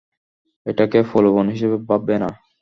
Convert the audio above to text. এটাকে প্রলোভন হিসেবে ভাববে না।